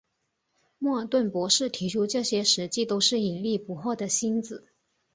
莫尔顿博士提出这些实际都是引力捕获的星子。